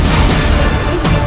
ketika kanda menang kanda menang